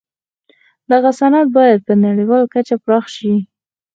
دغه صنعت بايد په نړيواله کچه پراخ شي.